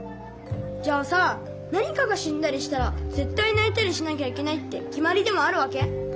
じゃあさ何かがしんだりしたらぜったいないたりしなきゃいけないってきまりでもあるわけ？